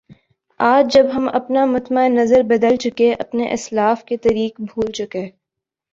آج جب ہم اپنا مطمع نظر بدل چکے اپنے اسلاف کے طریق بھول چکے